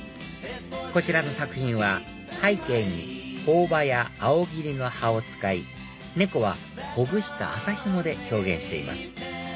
こちらの作品は背景にホオ葉やアオギリの葉を使い猫はほぐした麻ひもで表現しています